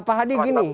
pak hadi gini